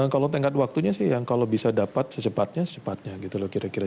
kalau tengkat waktunya sih yang kalau bisa dapat secepatnya secepatnya gitu loh kira kira